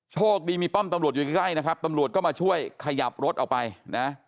โชคดีมีป้อมตำรวจอยู่ใกล้นะครับตำรวจก็มาช่วยขยับรถออกไปนะ